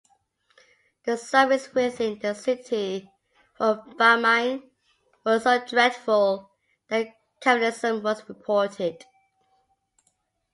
The sufferings within the city from famine were so dreadful that cannibalism was reported.